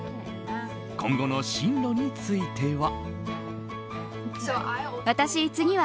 今後の進路については。